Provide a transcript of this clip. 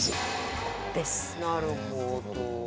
なるほど。